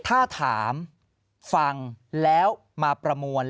ถ้าถามฟังแล้วมาประมวล